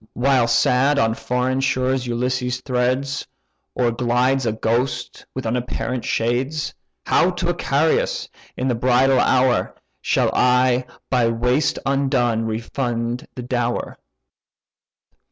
While sad on foreign shores Ulysses treads. Or glides a ghost with unapparent shades; How to Icarius in the bridal hour Shall I, by waste undone, refund the dower?